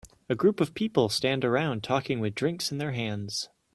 A group of people stand around talking with drinks in their hands